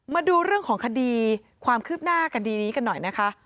มาดูเรื่องของคดีความคืบหน้าคดีนี้กันหน่อยนะคะ